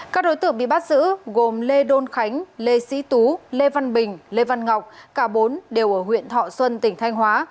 các đối tượng bị bắt giữ gồm lê đôn khánh lê sĩ tú lê văn bình lê văn ngọc cả bốn đều ở huyện thọ xuân tỉnh thanh hóa